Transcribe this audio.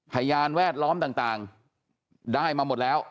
พยานแวดล้อมต่างได้มาหมดแล้ว